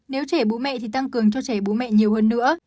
nếu trẻ bú mẹ thì tăng cường cho trẻ bú mẹ nhiều hơn nữa